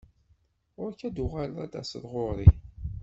Ɣur-k ad tuɣaleḍ ad d-taseḍ ɣur-i.